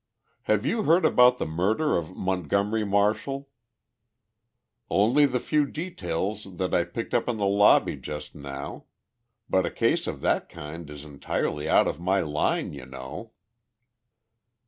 "Have you heard about the murder of Montgomery Marshall?" "Only the few details that I picked up in the lobby just now. But a case of that kind is entirely out of my line, you know."